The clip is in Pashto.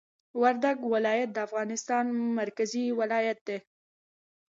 وردګ ولایت د افغانستان مرکزي ولایت دي